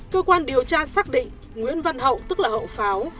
cơ quan điều tra xác định nguyễn văn hậu tức là hậu pháo